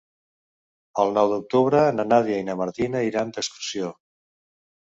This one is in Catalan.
El nou d'octubre na Nàdia i na Martina iran d'excursió.